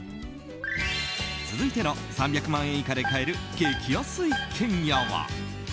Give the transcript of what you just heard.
続いての３００万円以下で買える激安一軒家は。